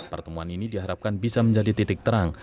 pertemuan ini diharapkan bisa menjadi titik terang